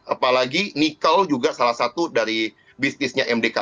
apalagi nikel juga salah satu dari bisnisnya mdk